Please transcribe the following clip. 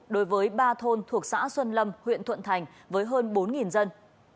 đối với ba thôn thuộc xã xuân lâm huyện thuận thành với hơn bốn dân